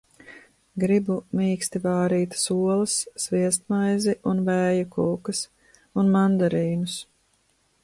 Gribu mīksti vārītas olas, sviestmaizi un vēja kūkas... Un mandarīnus...